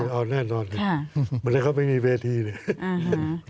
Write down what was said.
เออแน่นอนเลยเหมือนกับเขาไม่มีเวทีเลย